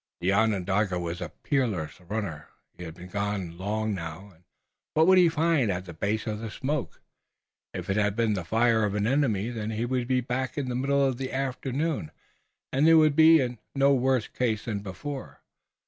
The Onondaga was a peerless runner, he had been gone long now, and what would he find at the base of the smoke? If it had been the fire of an enemy then he would be back in the middle of the afternoon, and they would be in no worse case than before.